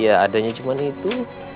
ya adanya cuma itu